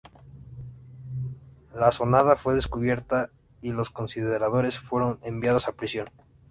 La asonada fue descubierta y los conspiradores fueron enviados a prisión.